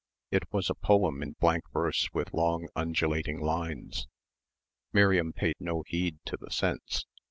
It was a poem in blank verse with long undulating lines. Miriam paid no heed to the sense.